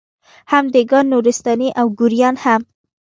هم دېګان، نورستاني او ګوریان هم